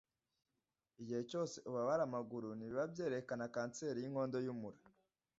igihe cyose ubabara amaguru ntibiba byerekana kanseri y'inkondo y'umura.